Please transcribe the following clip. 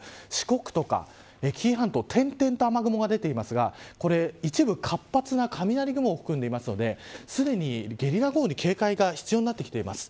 四国とか紀伊半島点々と雨雲が出ていますが一部、活発な雷雲を含んでいるのですでにゲリラ豪雨に警戒が必要になってきています。